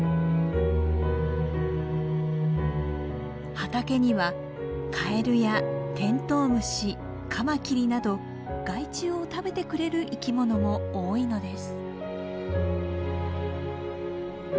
畑にはカエルやテントウムシカマキリなど害虫を食べてくれる生きものも多いのです。